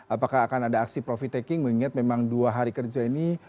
apakah akan ada aksi profit taking mengingat memang dua hari kerja ini